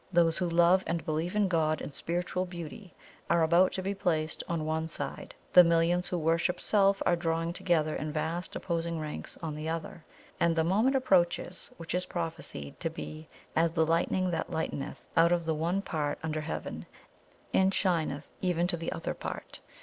Those who love and believe in God and Spiritual Beauty are about to be placed on one side; the millions who worship Self are drawing together in vast opposing ranks on the other; and the moment approaches which is prophesied to be 'as the lightning that lighteneth out of the one part under heaven, and shineth even to the other part.'